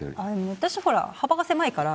私ほら幅が狭いから。